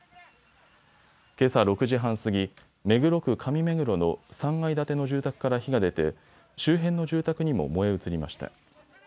けさ６時半過ぎ、目黒区上目黒の３階建ての住宅から火が出て周辺の住宅にも燃え移りました。